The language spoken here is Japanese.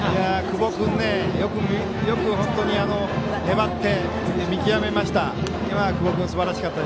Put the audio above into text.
久保君よく本当に粘って見極めました。